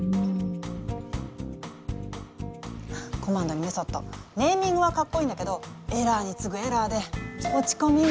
「コマンド」に「メソッド」ネーミングはかっこいいんだけどエラーにつぐエラーで落ち込みんぐ。